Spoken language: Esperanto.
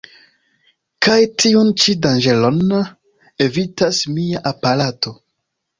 Kaj tiun ĉi danĝeron evitas mia aparato.